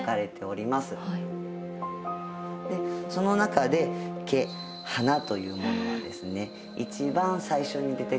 でその中で華花というものはですね一番最初に出てくるもの。